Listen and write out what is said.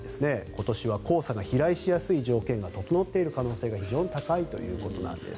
今年は黄砂が飛来しやすい条件が整っている可能性が非常に高いということなんです。